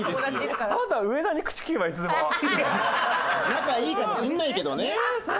仲いいかもしれないけどね。